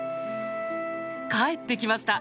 帰って来ました